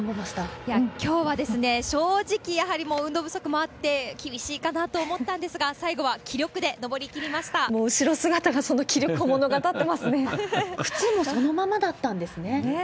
きょうは正直、やはり運動不足もあって、厳しいかなと思ったんですが、もう後ろ姿が、その気力を物靴もそのままだったんですね。